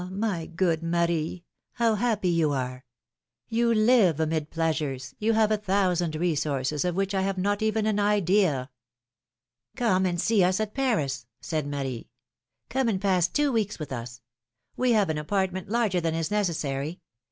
my good Marie! how happy you are! You live amid pleasures, you have a thousand resources of which I have not even an idea.'^ Come and see us at Paris,'^ said Marie. Come and pass two weeks with us. We have an apartment larger than is necessary.